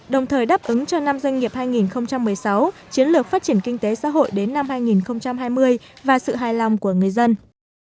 đồng thời đáp ứng cho năm doanh nghiệp hai nghìn một mươi sáu chiến lược phát triển kinh tế xã hội đến năm hai nghìn hai mươi và sự hài lòng của người dân